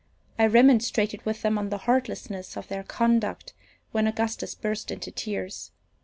I remonstrated with them on the heartlessness of their conduct, when Augustus burst into tears.